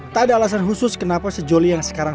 tak ada alasan khusus kenapa sejoli yang sekarang